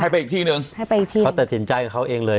ไปอีกที่หนึ่งให้ไปอีกที่เขาตัดสินใจกับเขาเองเลย